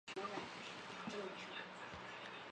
各层楼皆装设火灾自动警报设备。